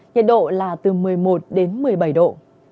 nhiệt độ là từ một mươi một đến một mươi bảy độ